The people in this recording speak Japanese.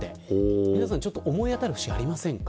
皆さん思い当たるふしありませんか。